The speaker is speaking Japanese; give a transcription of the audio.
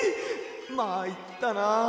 まいったな。